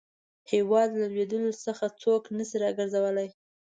هیواد له لوېدلو څخه څوک نه شي را ګرځولای.